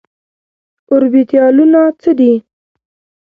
اوربيتالونه څه دي ؟